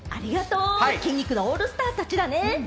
筋肉のオールスターだね。